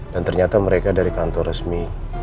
dan ternyata mereka dari kantor resmi